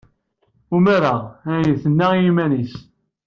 Umareɣ, ay tenna i yiman-nnes.